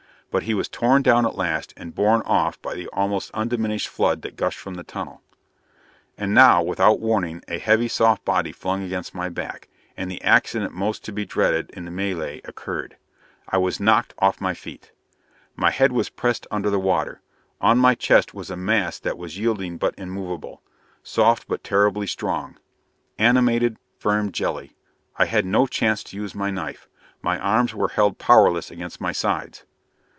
But he was torn down at last and borne off by the almost undiminished flood that gushed from the tunnel. And now, without warning, a heavy soft body flung against my back, and the accident most to be dreaded in that mêlée occurred. I was knocked off my feet! My head was pressed under the water. On my chest was a mass that was yielding but immovable, soft but terribly strong. Animated, firm jelly! I had no chance to use my knife. My arms were held powerless against my sides.